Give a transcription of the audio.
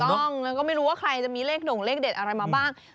ถูกต้องแล้วก็ไม่รู้ว่าใครจะมีเลขโด่งเลขเด็ดอะไรมาบ้าง